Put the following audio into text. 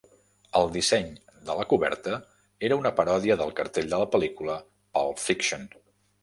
El disseny de la coberta era una paròdia del cartell de la pel·lícula "Pulp Fiction".